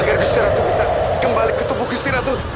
agar gusti ratu bisa kembali ke tubuh gusti ratu